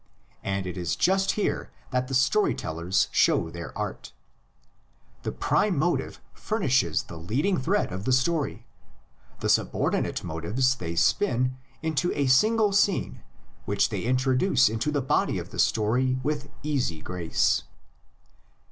And it is just here that the story tellers show their art. The prime motive furnishes the leading thread of the story; the subor dinate motives they spin into a single scene which they introduce into the body of the story with easy grace.